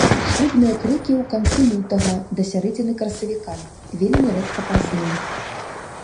Шлюбныя крыкі ў канцы лютага да сярэдзіны красавіка, вельмі рэдка пазней.